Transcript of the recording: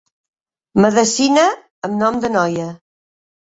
Medecina amb nom de noia.